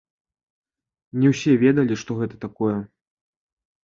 Не ўсе ведалі, што гэта такое.